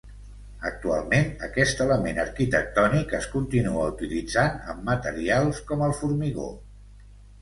Actualment aquest element arquitectònic es continua utilitzant amb materials com el formigó.